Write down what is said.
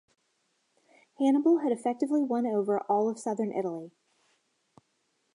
Hannibal had effectively won over all of southern Italy.